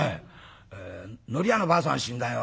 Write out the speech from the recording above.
「のり屋のばあさん死んだよ」